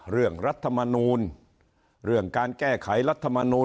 รัฐมนูลเรื่องการแก้ไขรัฐมนูล